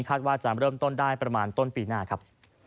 ว่าจะเริ่มต้นได้ประมาณต้นปีหน้าครับ